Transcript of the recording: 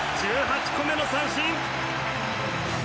１８個目の三振。